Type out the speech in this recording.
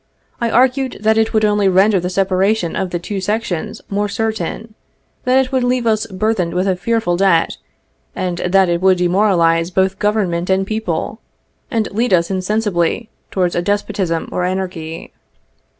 I argued that it would only render the separation of the two sections more certain, that it would leave us burthened with a fearful debt, and that it would demoralize both Government and people, and lead us insensibly towards a despotism or anarchy.